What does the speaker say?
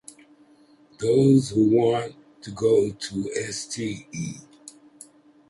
Those who want to go to Ste.